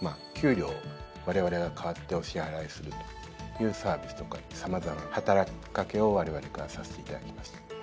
給料をわれわれが代わってお支払いするというサービスとか様々な働き掛けをわれわれからさせていただきました。